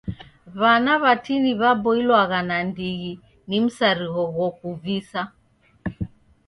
W'ana w'atini w'aboilwagha nandighi ni msarigho ghokuvisa.